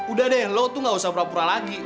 udah deh lo tuh gak usah pura pura lagi